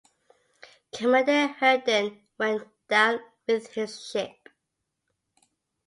Commander Herndon went down with his ship.